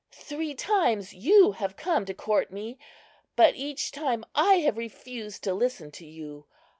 "Three times you have come to court me, but each time I have refused to listen to you.